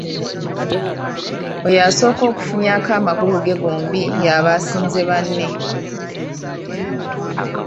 Oyo asooka okufunyaako amagulu ge gombi y'aba asinze banne.